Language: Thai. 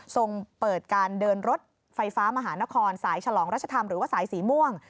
ส่งเปิดการเดินรถไฟฟ้ามหานครสายฉลองรัชธรรมหรือว่าสายสีม่วง